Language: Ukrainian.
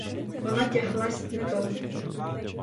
Вона тяглась не довго.